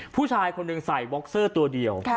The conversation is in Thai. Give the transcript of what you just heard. ผู้ชายคนหนึ่งใส่บ็อกเซอร์ตัวเดียว